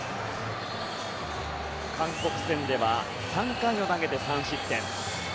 韓国戦では３回を投げて３失点。